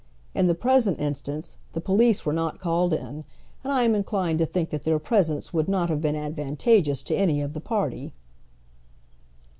In the present instance the police were not called in, and I am inclined to think that their presence would not have been advantageous to any of the party.